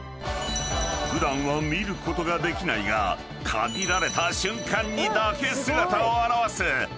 ［普段は見ることができないが限られた瞬間にだけ姿を現す］